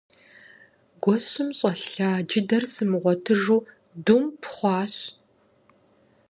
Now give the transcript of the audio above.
Гуэщым щӀэлъа джыдэжьыр сымыгъуэтыжу думп хъуащ.